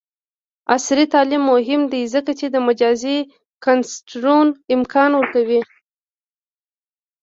عصري تعلیم مهم دی ځکه چې د مجازی کنسرټونو امکان ورکوي.